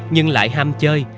nhưng lại ham chơi